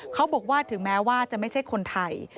เขาบอกว่าถึงแม้ว่าจะไม่ใช่คนไทย